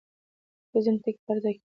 ولې ځینې ټکي په هر ځای کې کارول کېږي؟